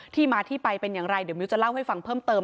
ที่มาที่ไปเป็นอย่างไรเดี๋ยวมิ้วจะเล่าให้ฟังเพิ่มเติม